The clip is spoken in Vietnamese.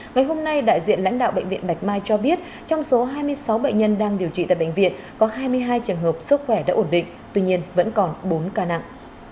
ngày hôm nay đại diện lãnh đạo bệnh viện bạch mai cho biết trong số hai mươi sáu bệnh nhân đang điều trị tại bệnh viện có hai mươi hai trường hợp sức khỏe đã ổn định tuy nhiên vẫn còn bốn ca nặng